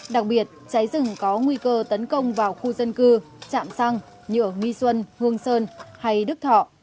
đặc biệt cháy rừng có nguy cơ tấn công vào khu dân cư chạm xăng như ở nghi xuân hương sơn hay đức thọ